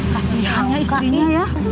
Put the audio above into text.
kasihannya istrinya ya